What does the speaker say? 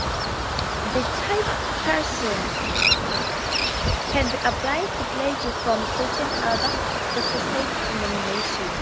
The title "parson" can be applied to clergy from certain other Protestant denominations.